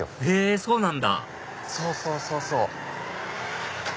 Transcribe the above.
へぇそうなんだそうそうそうそう！